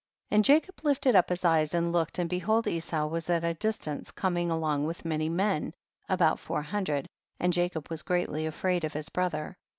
52. And Jacob lifted up his eyes and looked, and behold Esau was at a distance, coming along with many men, about four hundred, and Jacob was greatly afraid of his brother.